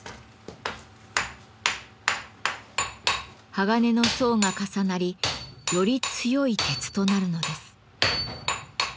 鋼の層が重なりより強い鉄となるのです。